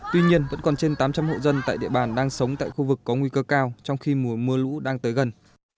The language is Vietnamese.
tuy nhiên vẫn còn trên tám trăm linh hộ dân tại địa bàn đang sống tại khu vực có nguy cơ cao trong khi mùa mưa lũ đang tới gần